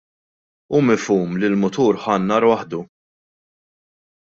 Hu mifhum li l-mutur ħa n-nar waħdu.